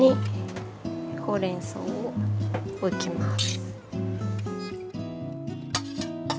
ほうれんそうを置きます。